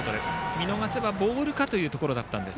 見逃せばボールかというところでしたが。